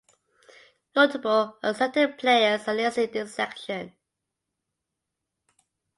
Notable and selected players are listed in this section.